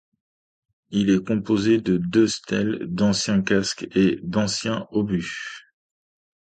Il est composé de deux stèles, d'ancien casques et d'anciens obus.